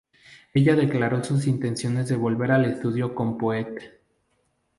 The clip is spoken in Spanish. Ella declaró sus intenciones de volver al estudio con Poet.